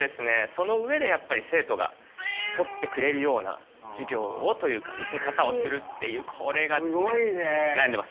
その上でやっぱり生徒がとってくれるような授業をというか見せ方をするというこれがですね悩んでます。